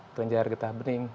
tunjah air getah bening